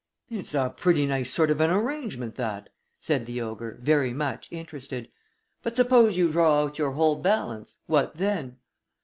"It's a pretty nice sort of an arrangement, that," said the ogre, very much interested, "but suppose you draw out your whole balance, what then?"